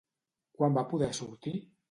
Quan va poder sortir?